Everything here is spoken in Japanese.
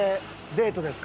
デートです。